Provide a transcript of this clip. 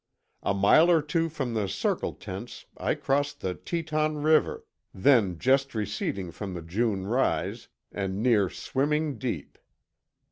A mile or two from the Circle tents I crossed the Teton River, then just receding from the June rise, and near swimming deep.